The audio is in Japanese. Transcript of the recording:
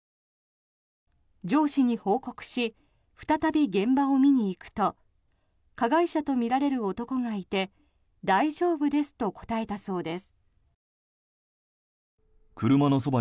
上司に報告し再び現場を見に行くと加害者とみられる男がいて大丈夫ですと答えたそうです。